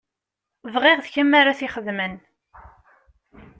Bɣiɣ d kemm ara t-ixedmen.